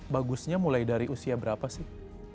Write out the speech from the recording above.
bagusnya mulai dari usia berapa sih